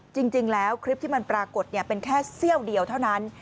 จริงแล้วคลิปที่มันปรากฏเป็นแค่เสี้ยวเดียวเท่านั้น